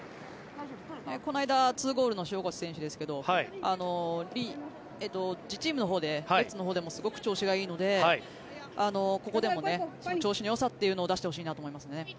この間２ゴールの塩越選手ですけど自チームのほうでレッズのほうでもすごく調子がいいのでここでも調子のよさというのを出してほしいなと思いますね。